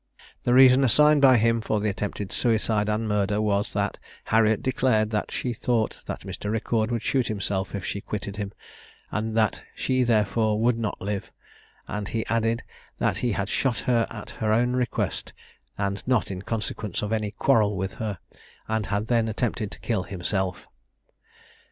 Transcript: The reason assigned by him for the attempted suicide and murder was, that Harriet declared that she thought that Mr. Riccord would shoot himself if she quitted him, and that she therefore would not live; and he added, that he had shot her at her own request, and not in consequence of any quarrel with her, and had then attempted to kill himself.